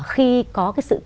khi có cái sự